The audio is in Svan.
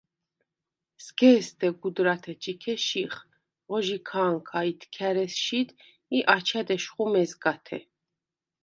სგ’ე̄სდე გუდრათე ჩიქე შიხ, ღო ჟიქა̄ნქა ითქა̈რ ესშიდ ი აჩა̈დ ეშხუ მეზგათე.